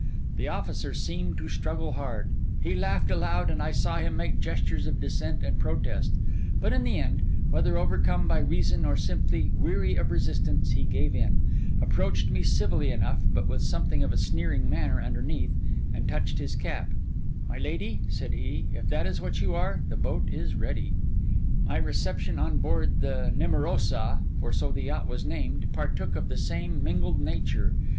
The officer seemed to struggle hard; he laughed aloud, and I saw him make gestures of dissent and protest; but in the end, whether overcome by reason or simply weary of resistance, he gave in—approached me civilly enough, but with something of a sneering manner underneath—and touching his cap, 'My lady,' said he, 'if that is what you are, the boat is ready.' My reception on board the Nemorosa (for so the yacht was named) partook of the same mingled nature.